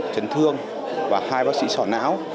chấn thương và hai bác sĩ sỏ não